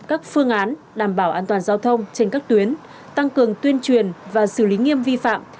các phương án đảm bảo an toàn giao thông trên các tuyến tăng cường tuyên truyền và xử lý nghiêm vi phạm